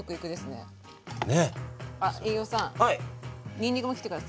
にんにくも切って下さい。